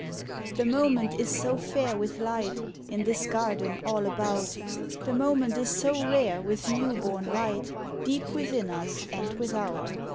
The moment is so fair with light In this garden all about; The moment is so rare with new born light Deep within us and without!